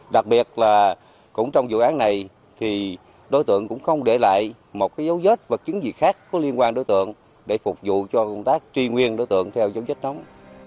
đối tượng cũng không để lại một dấu vết và chứng gì khác có liên quan đối tượng để phục vụ cho công tác tri nguyên đối tượng theo dấu vết nóng